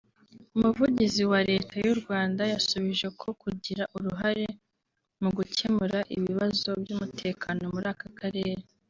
Umuvugizi wa Leta y’u Rwanda yasubije ko kugira uruhare mu gukemura ibibazo by’umutekano muri aka Karere